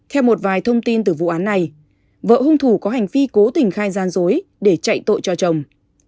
theo một vài thông tin từ vụ án này vợ hung thủ có hành vi cố tình khai gian dối để chạy tội cho chồng